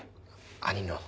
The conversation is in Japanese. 兄の。